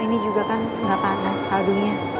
ini juga kan gak panas hadungnya